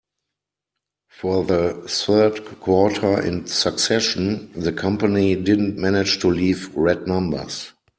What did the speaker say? For the third quarter in succession, the company didn't manage to leave red numbers.